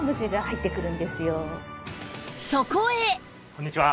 こんにちは。